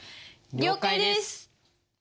了解です！